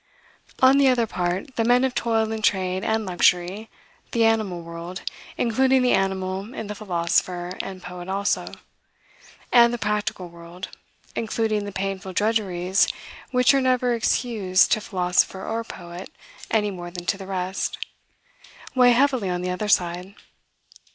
On the other part, the men of toil and trade and luxury, the animal world, including the animal in the philosopher and poet also, and the practical world, including the painful drudgeries which are never excused to philosopher or poet any more than to the rest, weigh heavily on the other side.